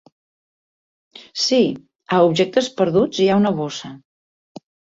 Sí, a objectes perduts hi ha una bossa.